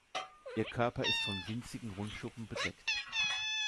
Ihr Körper ist von winzigen Rundschuppen bedeckt.